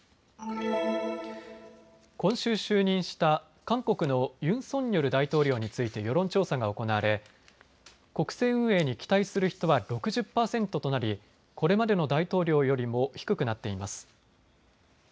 今週、就任した韓国のユン・ソンニョル大統領について世論調査が行われ国政運営に期待する人は６０％となりこれまでの大統領よりも低くなっています。